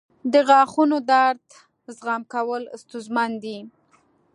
• د غاښونو درد زغم کول ستونزمن دي.